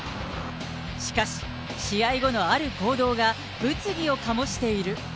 しかし、試合後のある行動が、物議を醸している。